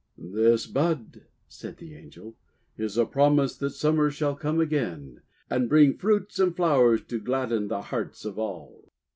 ' This bud," said the Angel, "is a promise that Summer shall come again, and bring fruits and flowers to gladden the hearts of all."